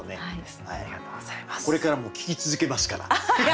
これからも聴き続けますから。